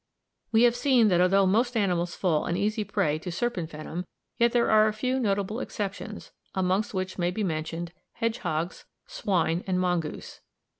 We have seen that although most animals fall an easy prey to serpent venom, yet there are a few notable exceptions, amongst which may be mentioned hedgehogs, swine, and the mongoose.